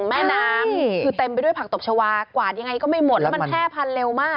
แม่น้ำคือเต็มไปด้วยผักตบชาวากวาดยังไงก็ไม่หมดแล้วมันแพร่พันเร็วมาก